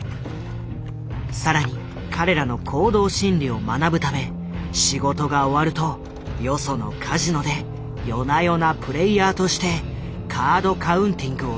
更に彼らの行動心理を学ぶため仕事が終わるとよそのカジノで夜な夜なプレイヤーとしてカード・カウンティングを実践。